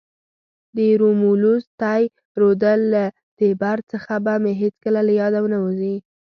د رومولوس تی رودل له تیبر څخه به مې هیڅکله له یاده ونه وزي.